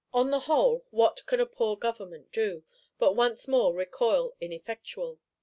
On the whole, what can a poor Government do, but once more recoil ineffectual?